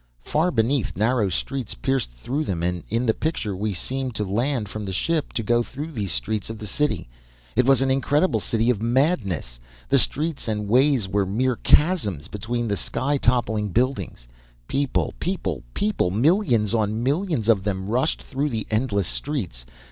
Far beneath narrow streets pierced through them and in the picture we seemed to land from the ship, to go through those streets of the city. It was an incredible city of madness! The streets and ways were mere chasms between the sky toppling buildings! People people people millions on millions of them rushed through the endless streets.